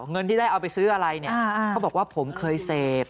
เงินที่ได้เอาไปซื้ออะไรเนี่ยเขาบอกว่าผมเคยเสพ